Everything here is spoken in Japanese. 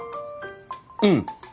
うん。